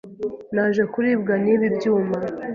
Naje kuribwa n’ibi byuma,